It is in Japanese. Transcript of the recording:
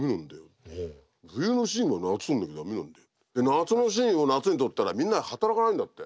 夏のシーンを夏に撮ったらみんな働かないんだって。